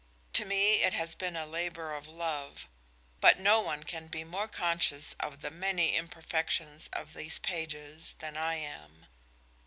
To me it has been a labour of love; but no one can be more conscious of the many imperfections of these pages than I am.